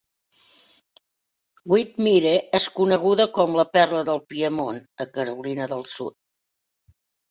Whitmire és coneguda com "La perla del Piemont" a Carolina del Sud.